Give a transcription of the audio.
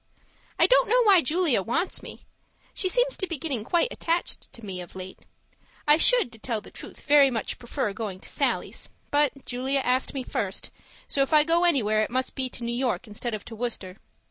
I don't know why Julia wants me she seems to be getting quite attached to me of late. I should, to tell the truth, very much prefer going to Sallie's, but Julia asked me first, so if I go anywhere it must be to New York instead of to Worcester.